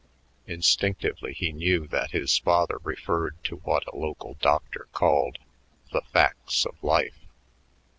Instinctively he knew that his father referred to what a local doctor called "the facts of life."